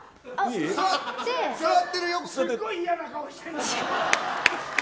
すごい嫌な顔してる。